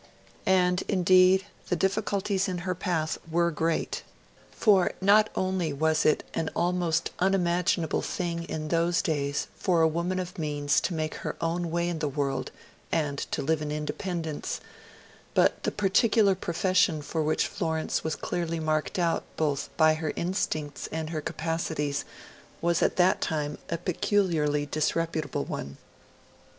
And, indeed, the difficulties in her path were great. For not only was it an almost unimaginable thing in those days for a woman of means to make her own way in the world and to live in independence, but the particular profession for which Florence was clearly marked out both by her instincts and her capacities was at that time a peculiarly disreputable one.